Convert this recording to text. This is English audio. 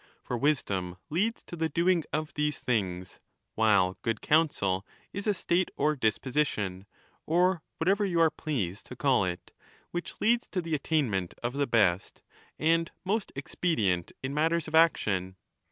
For wisdom leads to the doing of these things, while good counsel is a state or disposition, or whatever you are pleased to call it, which leads to the attainment of the best and most expedient in matters of action.